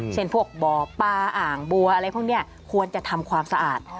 เช่นพวกบ่อปลาอ่างบัวอะไรพวกนี้ควรจะทำความสะอาด